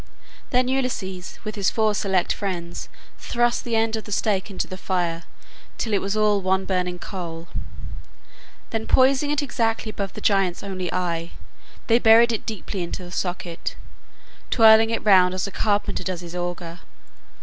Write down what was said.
Then Ulysses with his four select friends thrust the end of the stake into the fire till it was all one burning coal, then poising it exactly above the giant's only eye, they buried it deeply into the socket, twirling it round as a carpenter does his auger.